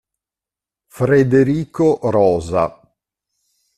Frederico Rosa